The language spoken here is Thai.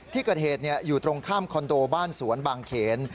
ที่เกิดเหตุอยู่ตรงข้ามคอนโดบ้านสวนบางเขน